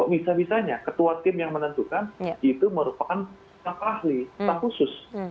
bisa bisanya ketua tim yang menentukan itu merupakan staf ahli staf khusus